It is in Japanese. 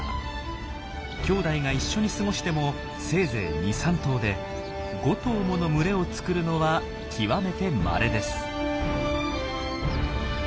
きょうだいが一緒に過ごしてもせいぜい２３頭で５頭もの群れを作るのは極めてまれです。